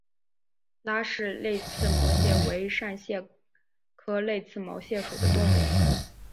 拉氏泪刺毛蟹为扇蟹科泪刺毛蟹属的动物。